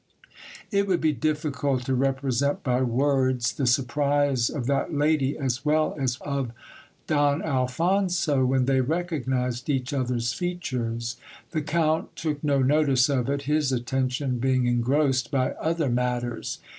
It would be difficult to represent by words the surprise of that lady, as well as of Don Alphonso, when they recognized each other's features. The count took no notice of it, his attention being engrossed by other matters.